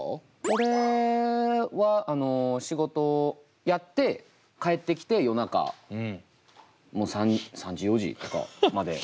これはあの仕事をやって帰ってきて夜中もう３時４時とかまで。